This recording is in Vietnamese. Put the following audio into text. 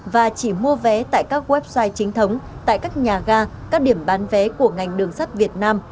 và chỉ mua vé tại các website chính thống tại các nhà ga các điểm bán vé của ngành đường sắt việt nam